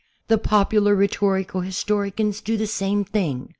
The popular rhetorical his torians do the same thing.